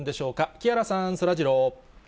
木原さん、そらジロー。